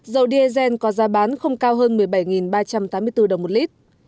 dầu diesel có giá bán không cao hơn một mươi bảy ba trăm tám mươi bốn đồng một lít